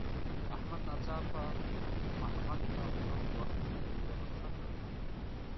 احمد ناڅاپه محمد ته خوله ورخښه کړه.